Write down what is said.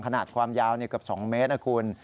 ขนาดความยาวเกือบ๒เมตรนะคุณ